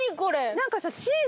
何かさ。